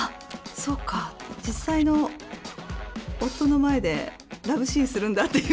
そうか、実際の夫の前でラブシーンするんだって。